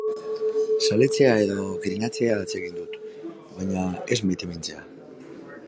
Zaletzea edo grinatzea atsegin dut, baina ez maitemintzea.